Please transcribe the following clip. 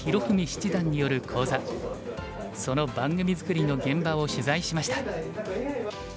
文七段による講座その番組作りの現場を取材しました。